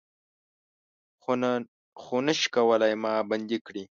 خو نه شئ کولای ما بندۍ کړي